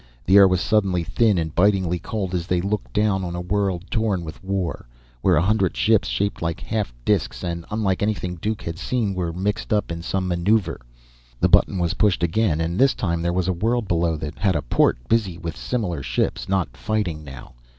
The air was suddenly thin and bitingly cold as they looked down on a world torn with war, where a hundred ships shaped like half disks and unlike anything Duke had seen were mixed up in some maneuver. The button was pushed again, and this time there was a world below that had a port busy with similar ships, not fighting now.